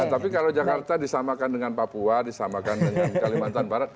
tapi kalau jakarta disamakan dengan papua disamakan dengan kalimantan barat